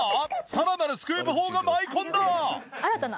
さらなるスクープ砲が舞い込んだ！